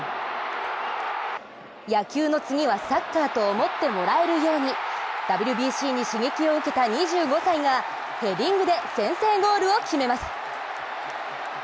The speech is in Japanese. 野球の次はサッカーと思ってもらえるように、ＷＢＣに刺激を受けた２５歳がヘディングで先制ゴールを決めます。